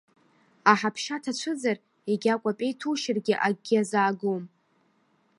Аҳаԥшьа ҭацәызар, егьа акәапеи ҭушьыргьы, акгьы азаагом.